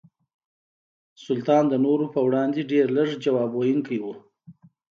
سلطان د نورو په وړاندې ډېر لږ ځواب ویونکي وو.